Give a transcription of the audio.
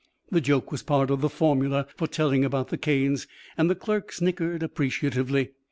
'" The joke was part of the formula for telling about the Canes, and the clerk snickered appreciatively.